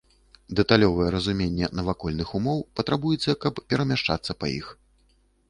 Дэталёвае разуменне навакольных умоў патрабуецца, каб перамяшчацца па іх.